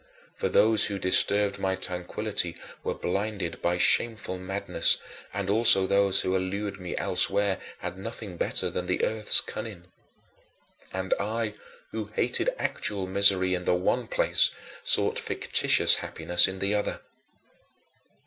For those who disturbed my tranquillity were blinded by shameful madness and also those who allured me elsewhere had nothing better than the earth's cunning. And I who hated actual misery in the one place sought fictitious happiness in the other.